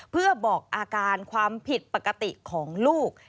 เพื่อบอกอาการความผิดปกติของลูก